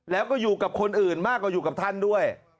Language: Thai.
แล้วก็อยู่กับคนอื่นมากกว่าอยู่กับท่านด้วย